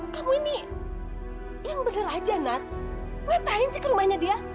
kamu ini yang bener aja nat ngapain sih ke rumahnya dia